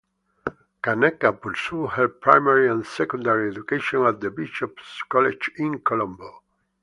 Kanaka pursued her primary and secondary education at the Bishops’ College in Colombo.